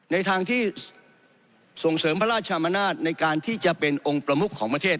ในทางที่ส่งเสริมพระราชมนาศในการที่จะเป็นองค์ประมุขของประเทศ